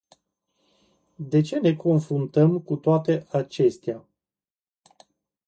De ce ne confruntăm cu toate acestea?